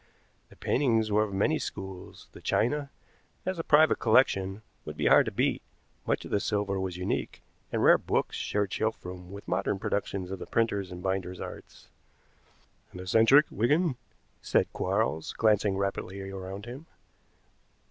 The paintings were of many schools; the china, as a private collection, would be hard to beat; much of the silver was unique, and rare books shared shelf room with the modern productions of the printers' and binders' arts. "An eccentric, Wigan," said Quarles, glancing rapidly around him.